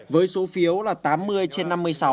với số phiếu là tám mươi trên năm mươi sáu